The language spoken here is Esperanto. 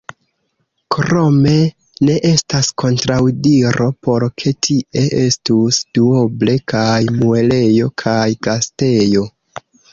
Krome ne estas kontraŭdiro por ke tie estus duoble kaj muelejo kaj gastejo.